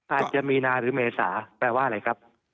อาจจะมีนาหรือเมษาแปลว่าอะไรครับ